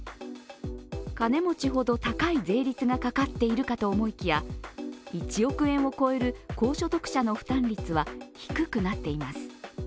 金持ちほど高い税率がかかっているかと思いきや、１億円を超える高所得者の負担率は低くなっています。